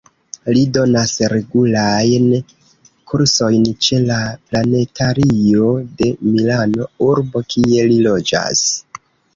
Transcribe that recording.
Li donas regulajn kursojn ĉe la Planetario de Milano, urbo kie li loĝas.